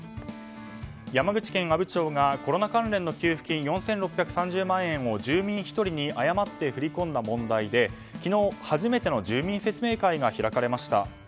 山口県阿武町がコロナ関連の給付金４６３０万円を住民１人に誤って振り込んだ問題で昨日、初めての住民説明会が開かれました。